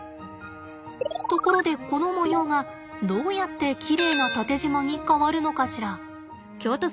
ところでこの模様がどうやってきれいなタテジマに変わるのかしら？